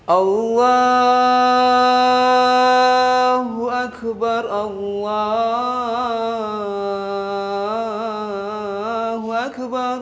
allahu akbar allahu akbar